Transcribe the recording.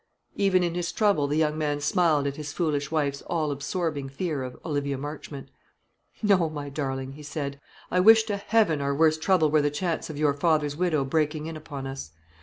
Even in his trouble the young man smiled at his foolish wife's all absorbing fear of Olivia Marchmont. "No, my darling," he said; "I wish to heaven our worst trouble were the chance of your father's widow breaking in upon us.